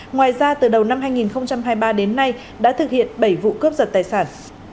ngoài ra từ đầu năm hai nghìn hai mươi ba đến nay đã thực hiện bảy vụ cướp giật tài sản